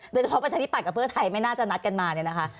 โดยเฉพาะประชานิปัจกร์เฟื้อไทยไม่น่าจะนัดกันมานะคะ